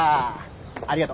ありがと。